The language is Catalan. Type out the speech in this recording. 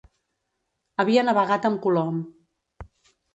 Havia navegat amb Colom.